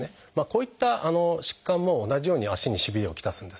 こういった疾患も同じように足にしびれを来すんですね。